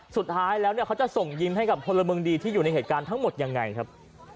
สุดท้ายแล้วเนี่ยเขาจะส่งยิ้มให้กับพลเมืองดีที่อยู่ในเหตุการณ์ทั้งหมดยังไงครับ